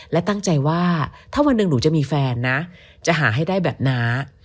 และตั้งใจว่าถ้าวันหนึ่งหนูจะมีแฟนนะจะหาให้ได้แบบน้า